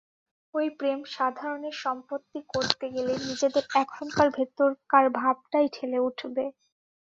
ওই প্রেম সাধারণের সম্পত্তি করতে গেলে নিজেদের এখনকার ভেতরকার ভাবটাই ঠেলে উঠবে।